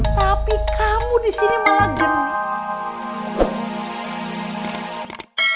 tapi kamu disini malah gini